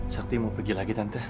sakti mau pergi lagi tante